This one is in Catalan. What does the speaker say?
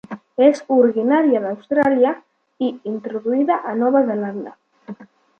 És originària d'Austràlia, i introduïda a Nova Zelanda.